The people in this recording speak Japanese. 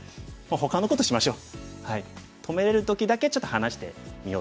ほかのことしましょう。